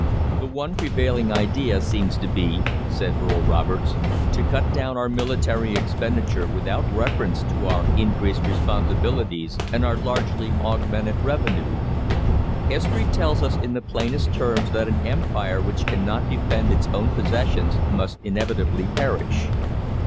The one prevailing idea seems to be," said Earl Roberts, "to cut down our military expenditure without reference to our increased responsibilities and our largely augmented revenue. History tells us in the plainest terms that an Empire which cannot defend its own possessions must inevitably perish."